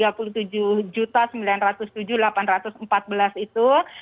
ya tadi sudah disampaikan gitu ya dari target tiga puluh tujuh sembilan ratus tujuh delapan ratus empat belas itu